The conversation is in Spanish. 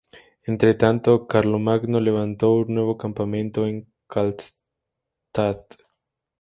Entre tanto, Carlomagno levantó un nuevo campamento en Karlstadt.